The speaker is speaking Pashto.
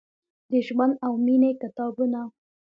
د ژوند او میینې کتابونه ،